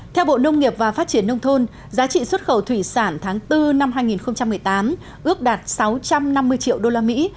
theo bộ nông nghiệp và phát triển nông thôn giá trị xuất khẩu thủy sản tháng bốn năm hai nghìn một mươi tám ước đạt sáu trăm năm mươi triệu đô la mỹ